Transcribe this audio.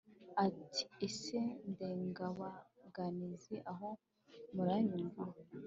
Ati “Ese Ndengabaganizi, aho muranyumva